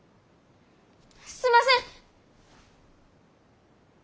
すんません！